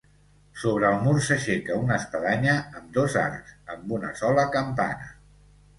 Sobre el mur s'aixeca una espadanya amb dos arcs, amb una sola campana.